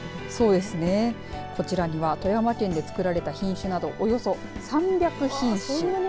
こちらには富山県で作られた品種などおよそ３００品種。